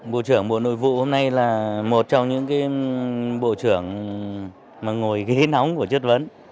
bộ trưởng bộ nội vụ hôm nay là một trong những bộ trưởng mà ngồi cái hiến nóng của chất vấn